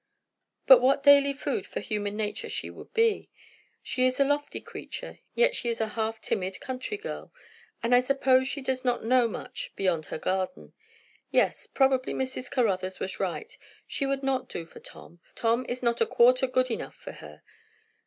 But what "daily food" for human nature she would be! She is a lofty creature; yet she is a half timid country girl; and I suppose she does not know much beyond her garden. Yes, probably Mrs. Caruthers was right; she would not do for Tom. Tom is not a quarter good enough for her!